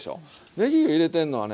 ねぎ入れてんのはね